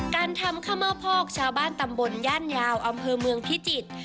การทำข้าวเม่าพอกชาวบ้านตำบลย่านยาวอำเภอเมืองพิจิตร